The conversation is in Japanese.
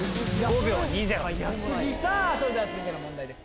それでは続いての問題です